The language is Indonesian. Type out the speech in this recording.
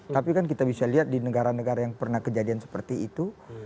tapi kan kita bisa lihat di negara negara yang pernah kejadian seperti itu